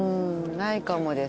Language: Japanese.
ないかもです。